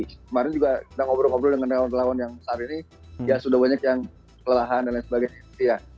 kemarin juga kita ngobrol ngobrol dengan relawan relawan yang saat ini ya sudah banyak yang kelelahan dan lain sebagainya